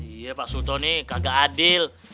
iya pak fundo nih kagak adil